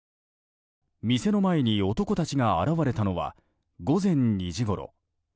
店の前に男たちが現れたのは午前２時ごろ。